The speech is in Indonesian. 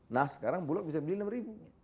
nah sekarang bulog bisa beli rp enam